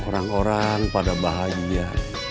orang orang pada bahagia